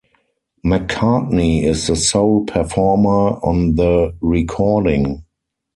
McCartney is the sole performer on the recording.